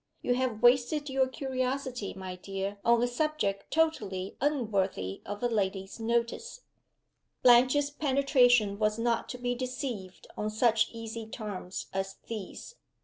"You have wasted your curiosity, my dear, on a subject totally unworthy of a lady's notice." Blanche's penetration was not to be deceived on such easy terms as these.